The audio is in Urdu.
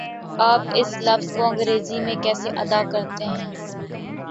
آپ اس لفظ کو انگریزی میں کیسے ادا کرتےہیں؟